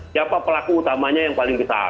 siapa pelaku utamanya yang paling besar